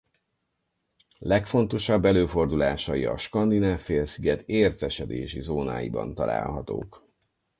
Legfontosabb előfordulásai a Skandináv-félsziget ércesedési zónáiban találhatók.